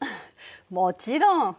もちろん。